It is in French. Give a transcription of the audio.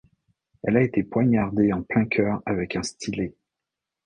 Elle a été poignardée en plein coeur avec un stylet.